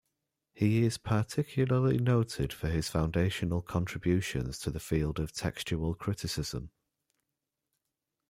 He is particularly noted for his foundational contributions to the field of textual criticism.